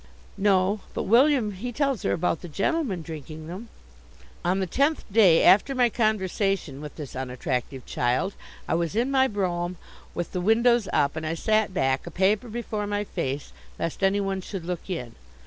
"No; but William he tells her about the gentlemen drinking them." On the tenth day after my conversation with this unattractive child I was in my brougham, with the windows up, and I sat back, a paper before my face lest any one should look in.